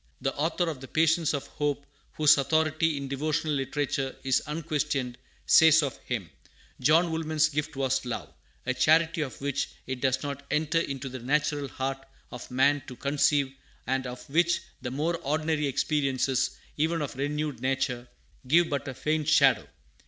The author of The Patience of Hope, whose authority in devotional literature is unquestioned, says of him: 'John Woolman's gift was love, a charity of which it does not enter into the natural heart of man to conceive, and of which the more ordinary experiences, even of renewed nature, give but a faint shadow.